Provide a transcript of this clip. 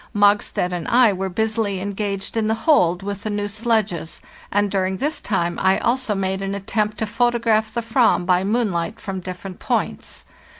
Mog stad and I were busily engaged in the hold with the new sledges, and during this time I also made an attempt to photograph the "vam by moonlight from different points.